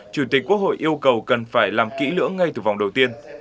chủ tịch quốc hội yêu cầu cần phải làm kỹ lưỡng ngay từ vòng đầu tiên